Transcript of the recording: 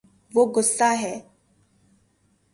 وہ گصاہ ہے